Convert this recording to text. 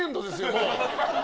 もう！